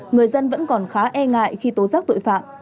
người dân vẫn còn khá e ngại khi tố giác tội phạm